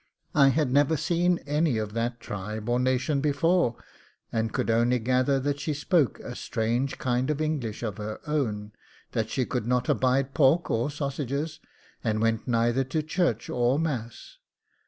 I had never seen any of that tribe or nation before, and could only gather that she spoke a strange kind of English of her own, that she could not abide pork or sausages, and went neither to church or mass.